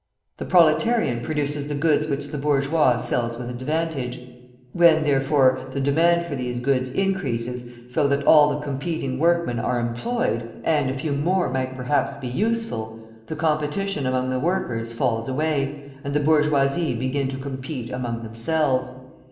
The proletarian produces the goods which the bourgeois sells with advantage. When, therefore, the demand for these goods increases so that all the competing working men are employed, and a few more might perhaps be useful, the competition among the workers falls away, and the bourgeoisie begin to compete among themselves.